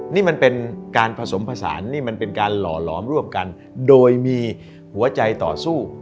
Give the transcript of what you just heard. นี่มันเป็นการผสมผสานนี่มันเป็นการหล่อหลอมร่วมกันโดยมีหัวใจต่อสู้